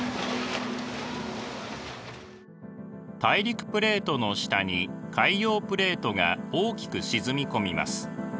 大陸プレートの下に海洋プレートが大きく沈み込みます。